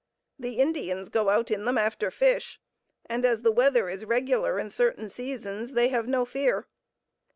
The Indians go out in them after fish, and as the weather is regular in certain seasons, they have no fear.